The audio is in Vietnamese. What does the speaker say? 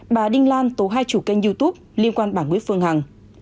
bà đinh lan tố hai chủ kênh youtube liên quan bảng quyết phương hằng